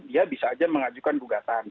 dia bisa aja mengajukan gugatan